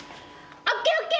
ＯＫＯＫ！